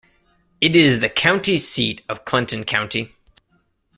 It is the county seat of Clinton County.